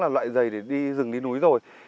loại giày để đi rừng đi núi rồi